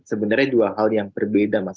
sebenarnya dua hal yang berbeda mas